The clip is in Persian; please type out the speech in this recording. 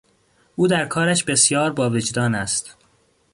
او در کارش بسیار با وجدان است.